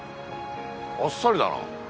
あっさりだな。